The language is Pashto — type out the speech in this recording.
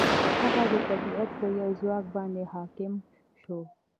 هغه د طبیعت په یو ځواک باندې حاکم شو.